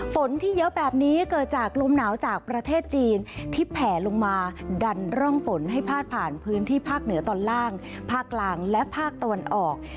ฝนที่เยอะแบบนี้เกิดจากลมหนาวจากประเทศจีนที่แผ่ลงมาดันร่องฝนให้พาดผ่านพื้นที่ภาคเหนือตอนล่างภาคกลางและภาคตะวันออก